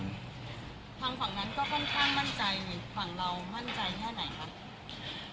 ทางฝั่งนั้นก็ค่อนข้างมั่นใจฝั่งเรามั่นใจแค่ไหนคะ